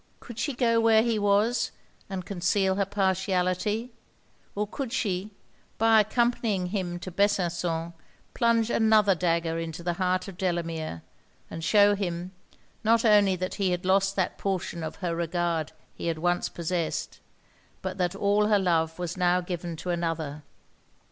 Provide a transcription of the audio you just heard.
Could she go where he was, and conceal her partiality? or could she, by accompanying him to Besançon, plunge another dagger in the heart of Delamere, and shew him, not only that he had lost that portion of her regard he had once possessed, but that all her love was now given to another.